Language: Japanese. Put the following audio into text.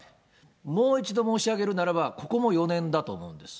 もう一度申し上げるならば、ここも４年だと思うんですよ。